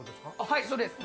はいそうです。